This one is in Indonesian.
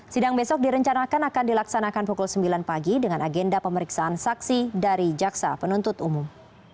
sidang besok direncanakan akan dilaksanakan pukul sembilan pagi dengan agenda pemeriksaan saksi dari jaksa penuntut umum